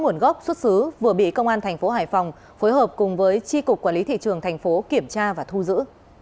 nguồn gốc xuất xứ vừa bị công an thành phố hải phòng phối hợp cùng với tri cục quản lý thị trường thành phố kiểm tra và thu giữ